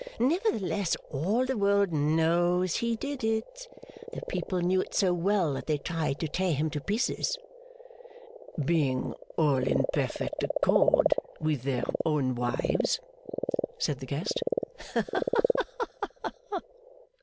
Nevertheless, all the world knows he did it. The people knew it so well, that they tried to tear him to pieces.' 'Being all in perfect accord with their own wives?' said the guest. 'Haha!